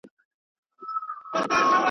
چي ايږه دي نه وي نيولې، څرمن ئې مه خرڅوه.